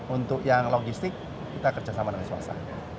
untuk yang logistik kita kerja sama dengan swasta